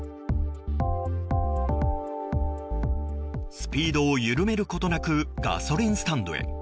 スピードを緩めることなくガソリンスタンドへ。